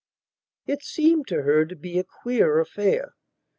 It seemed to her to be a queer affair.